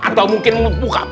atau mungkin muntuh kabar